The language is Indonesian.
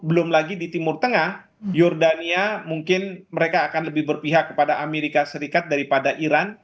belum lagi di timur tengah jordania mungkin mereka akan lebih berpihak kepada amerika serikat daripada iran